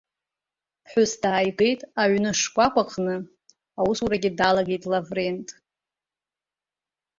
Ԥҳәыс дааигеит аҩны шкәакәаҟны аусурагьы далагеит Лаврент.